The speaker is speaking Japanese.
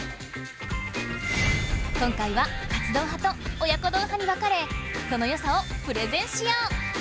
今回は「カツ丼派」と「親子丼派」に分かれそのよさをプレゼンしよう！